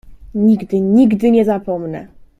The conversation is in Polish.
"Nigdy, nigdy nie zapomnę."